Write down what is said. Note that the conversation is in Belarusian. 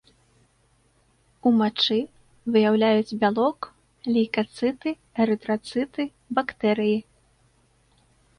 У мачы выяўляюць бялок, лейкацыты, эрытрацыты, бактэрыі.